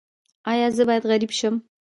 ایا زه باید غریب شم؟